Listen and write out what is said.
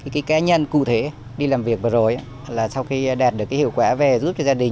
và đặc biệt là nêu gương những cá nhân cụ thể đi làm việc vừa rồi sau khi đạt được hiệu quả về giúp cho gia đình